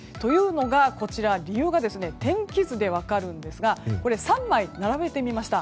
その理由がこちらの天気図で分かるんですが３枚並べてみました。